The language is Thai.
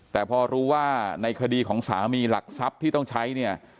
แต่พอรู้ว่าในคดีของสามีหลักทรัพย์ที่ต้องใช้เนี่ย